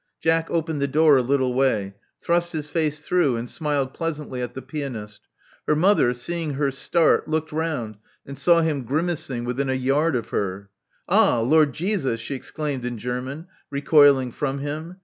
Jack opened the door a little way; thrust his face through; and smiled pleasantly at the pianist. Her mother, seeing her start, looked round and saw him grimacing withina yard of her. '*Ah, Lord Jesus!" she exclaimed in German, recoiling from him.